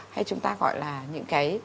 hay chúng ta gọi là những cái